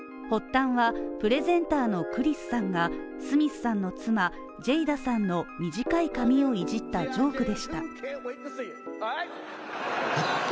発端は、プレゼンターのクリスさんがスミスさんの妻ジェイダさんの短い髪をいじったジョークでした。